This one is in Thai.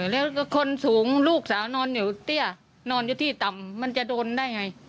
แล้วก็คนสูงลูกสาวนอนอยู่เตี้ยนอนอยู่ที่ต่ำมันจะโดนได้ไง